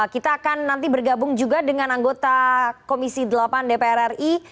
kita akan nanti bergabung juga dengan anggota komisi delapan dpr ri